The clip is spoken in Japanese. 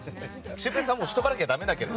シュウペイさんはしておかないとだめだけど。